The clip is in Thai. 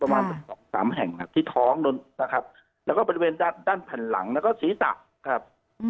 ประมาณสักสองสามแห่งครับที่ท้องโดนนะครับแล้วก็บริเวณด้านด้านแผ่นหลังแล้วก็ศีรษะครับ